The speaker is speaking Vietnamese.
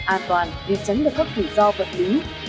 an toàn vì tránh được các rủi ro vật lính